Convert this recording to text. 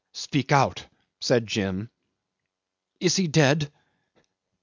'"Speak out," said Jim. "Is he dead?"